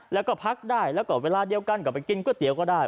แล้วก็พักได้แล้วก็เวลาเดียวกันก็ไปกินก๋วยเตี๋ยวก็ได้